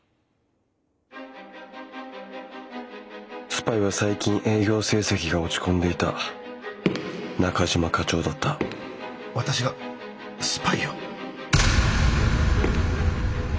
スパイは最近営業成績が落ち込んでいた中島課長だった私がスパイを？